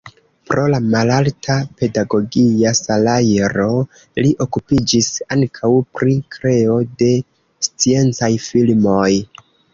Pro la malalta pedagogia salajro li okupiĝis ankaŭ pri kreo de sciencaj filmoj.